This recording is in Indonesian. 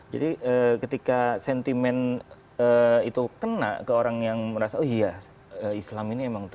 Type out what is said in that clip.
jadi ketika sentimen itu kena ke orang yang merasa oh iya islam ini memang tertindas